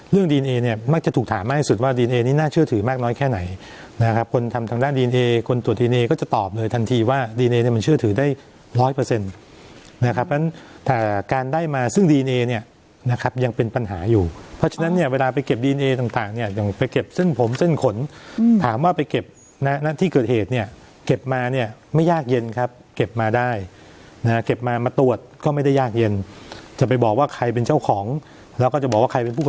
เรื่องดีเอเนี่ยมักจะถูกถามมากที่สุดว่าดีเอเนี่ยน่าเชื่อถือมากน้อยแค่ไหนนะครับคนทำทางด้านดีเอคนตรวจดีเอก็จะตอบเลยทันทีว่าดีเอเนี่ยมันเชื่อถือได้ร้อยเปอร์เซ็นต์นะครับเพราะฉะนั้นแต่การได้มาซึ่งดีเอเนี่ยนะครับยังเป็นปัญหาอยู่เพราะฉะนั้นเนี่ยเวลาไปเก็บดีเอต่างต่างเนี่ยอย่างไปเก็บเส้